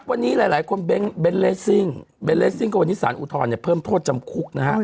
วันนี้หลายคนเบนเลสซิ่งเบนเลสซิ่งก็วันนี้สารอุทธรณ์เนี่ยเพิ่มโทษจำคุกนะฮะ